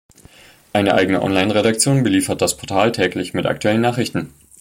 Eine eigene Onlineredaktion beliefert das Portal täglich mit aktuellen Nachrichten.